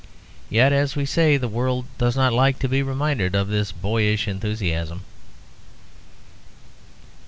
Yet, as we say, the world does not like to be reminded of this boyish enthusiasm.